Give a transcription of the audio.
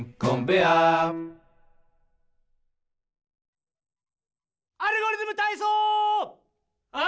「アルゴリズムたいそう」！